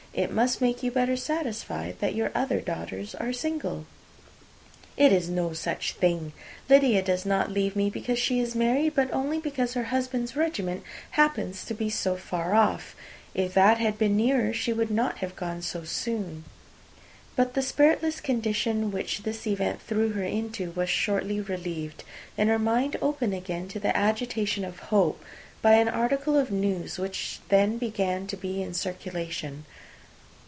"It must make you better satisfied that your other four are single." "It is no such thing. Lydia does not leave me because she is married; but only because her husband's regiment happens to be so far off. If that had been nearer, she would not have gone so soon." But the spiritless condition which this event threw her into was shortly relieved, and her mind opened again to the agitation of hope, by an article of news which then began to be in circulation.